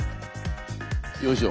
よいしょ。